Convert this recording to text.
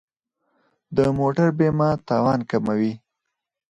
د موټر بیمه تاوان کموي.